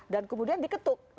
dan kemudian diketuk